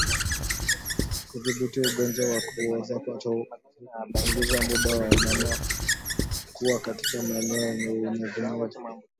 Kudhibiti ugonjwa wa kuoza kwato punguza muda wa wanyama kuwa katika maeneo yenye unyevunyevu